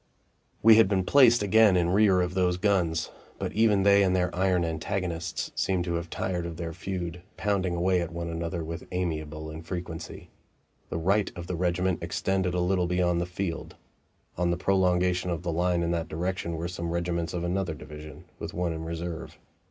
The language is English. We had been placed again in rear of those guns, but even they and their iron antagonists seemed to have tired of their feud, pounding away at one another with amiable infrequency. The right of the regiment extended a little beyond the field. On the prolongation of the line in that direction were some regiments of another division, with one in reserve.